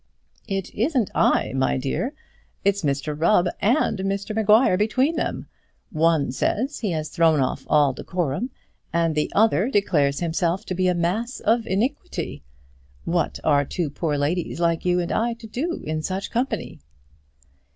"It isn't I, my dear; it's Mr Rubb and Mr Maguire, between them. One says he has thrown off all decorum and the other declares himself to be a mass of iniquity. What are two poor old ladies like you and I to do in such company?"